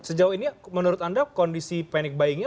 sejauh ini menurut anda kondisi panik bayangnya